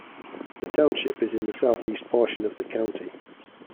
The township is in the southeast portion of the county.